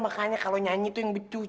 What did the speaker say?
makanya kalau nyanyi tuh yang becus